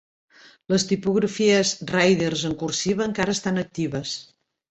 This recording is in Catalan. "Les tipografies Riders en cursiva encara estan actives.